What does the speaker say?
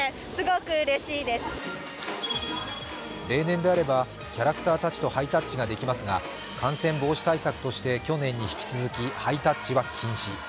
例年であればキャラクターたちとハイタッチができますが感染防止対策として去年に引き続きハイタッチは禁止。